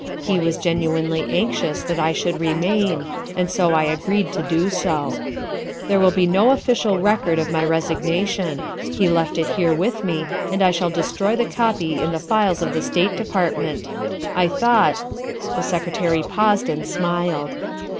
He was genuinely anxious that I should remain, and so I agreed to do so. 350 THE WIFE OF There will be no official record of my resignation. He left it here with me, and I shall destroy the copy in the files of the State Department. I thought The Secretary paused and smiled.